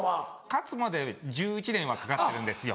勝つまで１１年はかかってるんですよ。